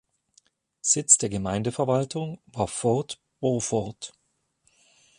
Sitz der Gemeindeverwaltung war Fort Beaufort.